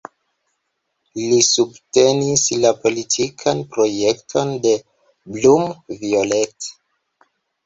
Li subtenis la politikan projekton de Blum-Violette.